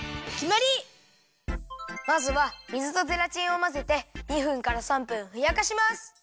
まずは水とゼラチンをまぜて２分から３分ふやかします。